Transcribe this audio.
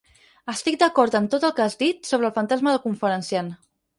Estic d'acord en tot el que has dit sobre el fantasma del conferenciant.